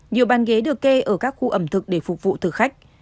nhiều bàn ghế được kê ở các khu ẩm thực để phục vụ thử khách